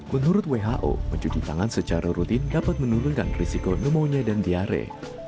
menurut who mencuci tangan secara rutin dapat menurunkan risiko pneumonia dan diare